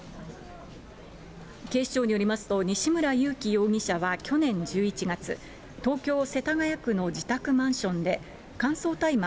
警視庁によりますと、西村ゆうき容疑者は去年１１月、東京・世田谷区の自宅マンションで、乾燥大麻